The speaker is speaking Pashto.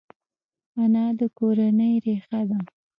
انا د کورنۍ ریښه ده